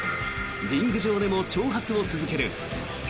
リング上でも挑発を続ける。